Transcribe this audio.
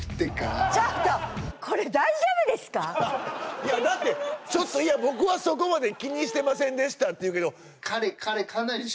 いやだって「いや僕はそこまで気にしてませんでした」って言うけど。